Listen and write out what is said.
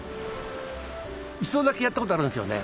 一度だけやったことあるんですよね。